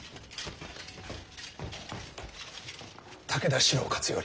武田四郎勝頼